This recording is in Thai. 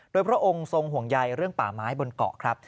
โดยพระองค์ทรงห่วงใยเรื่องป่าไม้บนเกาะครับ